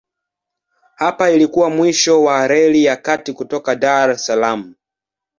Hapa ilikuwa pia mwisho wa Reli ya Kati kutoka Dar es Salaam.